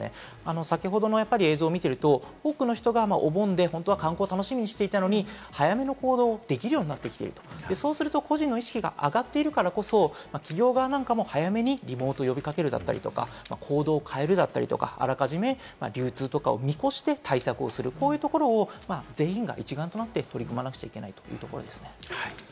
先ほどの映像を見ると、多くの人がお盆で観光を楽しみにしていたのに早めの行動ができるようになってきている、そうすると個人の意識が上がっているからこそ、企業側も早めにリモートを呼び掛けるとか、行動を変えるとか、あらかじめ流通とかを見越して対策をする、こういうところを全員が一丸となって取り組まなくちゃいけないというところですね。